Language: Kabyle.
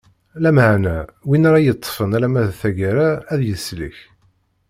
Lameɛna, win ara yeṭṭfen alamma d taggara ad yeslek.